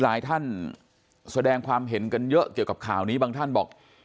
หลายท่านแสดงความเห็นกันเยอะเกี่ยวกับข่าวนี้บางท่านบอก